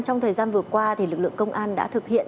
trong thời gian vừa qua lực lượng công an đã thực hiện